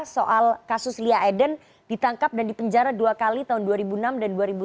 soal kasus lia eden ditangkap dan dipenjara dua kali tahun dua ribu enam dan dua ribu tujuh